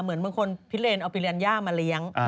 เหมือนบางคนพิเลนเอาไปเรียนย่ามาเลี้ยง